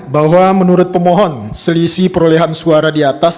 bahwa menurut pemohon selisih perolehan suara di atas